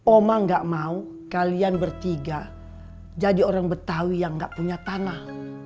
oma gak mau kalian bertiga jadi orang betawi yang gak punya tanah